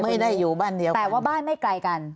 ไม่ได้อยู่บ้านเดียวกันแต่ว่าบ้านไม่ไกลกัน